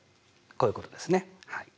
こういうことですね。